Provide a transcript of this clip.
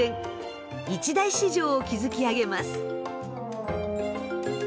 一大市場を築き上げます。